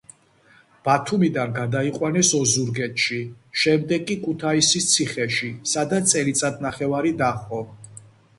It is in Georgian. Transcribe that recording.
ბათუმიდან გადაიყვანეს ოზურგეთში, შემდეგ კი ქუთაისის ციხეში, სადაც წელიწადნახევარი დაჰყო.